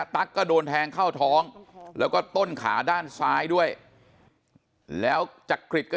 ตั๊กก็โดนแทงเข้าท้องแล้วก็ต้นขาด้านซ้ายด้วยแล้วจักริตก็